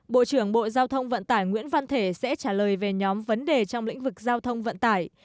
bộ trưởng bộ giao thông vận tải nguyễn văn thể sẽ trả lời về nhóm vấn đề trong lĩnh vực giao thông vận tải